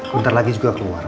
bentar lagi juga keluar